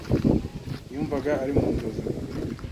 Yumvaga ari mu nzozi.